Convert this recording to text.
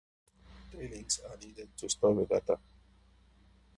Three links are needed to store the data.